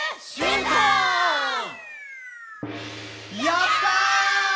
「やったー！！」